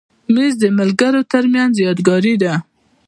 مېز د ملګرو تر منځ یادګاري دی.